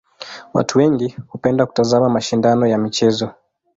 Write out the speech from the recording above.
Watu wengi hupenda kutazama mashindano ya michezo.